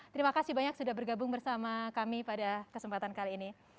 terima kasih banyak sudah bergabung bersama kami pada kesempatan kali ini